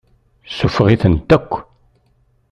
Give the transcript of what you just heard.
Suffeɣ-itent akk.